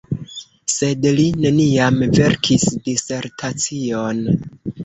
Sed li neniam verkis disertacion.